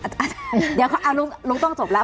เดี๋ยวอารุงต้องจบไปละ